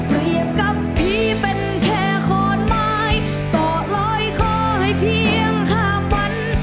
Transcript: เปรียบกับพี่เป็นแค่ขอนไม้ก็ลอยคอให้เพียงข้ามวัน